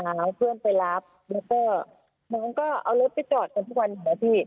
น้องเพื่อนไปรับแล้วก็น้องก็เอารถไปจอดกันทุกวันเห็นไหมพี่